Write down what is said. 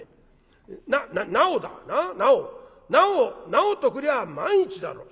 『なお』とくりゃ『万一』だろ。